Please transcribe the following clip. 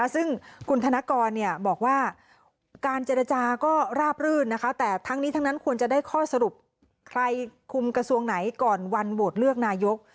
ซึ่งคุณธนกรบอกว่าการเจรจาก็ราบรื่นแต่ทั้งนี้ทั้งนั้นควรจะได้ข้อสรุปใครคุมกระทรวงไหนก่อนวันโหวตเลือกนายก